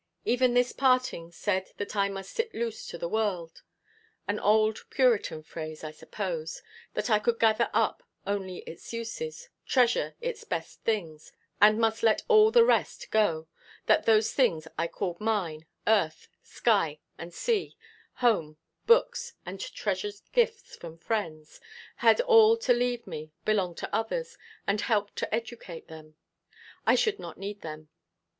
Even this parting said that I must "sit loose to the world" an old Puritan phrase, I suppose; that I could gather up only its uses, treasure its best things, and must let all the rest go; that those things I called mine earth, sky, and sea, home, books, the treasured gifts of friends had all to leave me, belong to others, and help to educate them. I should not need them.